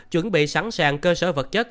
chuẩn bị sẵn sàng cơ sở vật chất